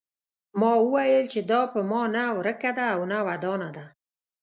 ما وویل چې دا په ما نه ورکه ده او نه ودانه ده.